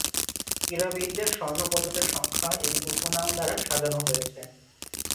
ক্রীড়াবিদের স্বর্ণ পদকের সংখ্যা এবং উপনাম দ্বারা সাজানো হয়েছে।